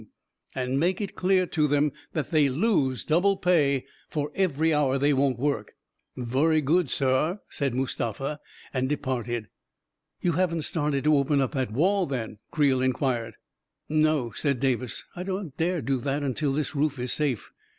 33* A KING IN BABYLON And make it clear to them that they lose double pay for every hour they won't work." " Vurry good, saar," said Mustafa, and departed. "You haven't started to open up that wall, then? " Creel inquired. " No," said Davis; " I don't dare do that till this roof is safe."